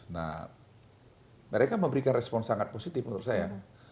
nah mereka memberikan respon sangat positif menurut saya